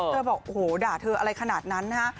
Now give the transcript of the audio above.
บอกโอ้โหด่าเธออะไรขนาดนั้นนะฮะ